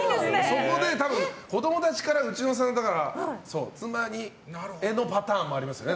そこでたぶん子供たちから妻へのパターンもありますよね。